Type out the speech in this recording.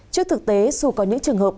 trước thực tế dù có những trường hợp